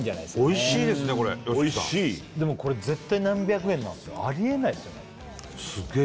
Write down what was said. おいしいですねこれおいしいこれ絶対何百円なんてあり得ないですよねすっげー